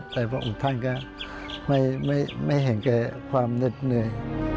แต่พระองค์ท่านก็ไม่เห็นแก่ความเหน็ดเหนื่อย